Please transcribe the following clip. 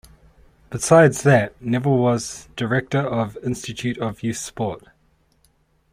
Besides that, Nevill was director of Institute of Youth Sport.